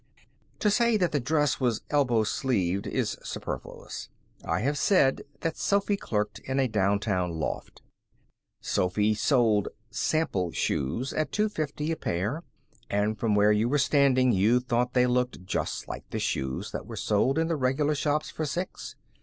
To say that the dress was elbow sleeved is superfluous. I have said that Sophy clerked in a downtown loft. Sophy sold "sample" shoes at two fifty a pair, and from where you were standing you thought they looked just like the shoes that were sold in the regular shops for six.